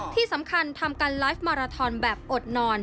ที่สำคัญทำการไลฟ์มาราทอนแบบอดนอน